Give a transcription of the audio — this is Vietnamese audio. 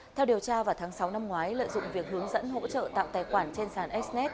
theo điều tra vào tháng sáu năm ngoái lợi dụng việc hướng dẫn hỗ trợ tạo tài khoản trên sàn snt